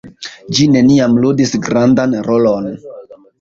Ĝi neniam ludis grandan rolon.